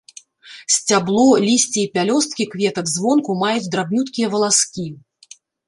Сцябло, лісце і пялёсткі кветак звонку маюць драбнюткія валаскі.